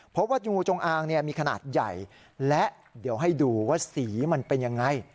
เพราะว่างูจงอางมีขนาดใหญ่และเดี๋ยวให้ดูว่าสีมันเป็นอย่างไร